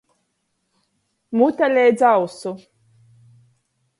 Mute leidz ausu.